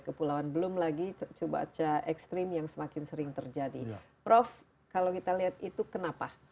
kepulauan belum lagi cuaca ekstrim yang semakin sering terjadi prof kalau kita lihat itu kenapa